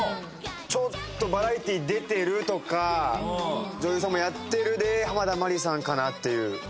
ちょっとバラエティ出てるとか女優さんもやってるで濱田マリさんかなっていう。